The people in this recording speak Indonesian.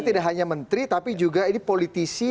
tidak hanya menteri tapi juga ini politisi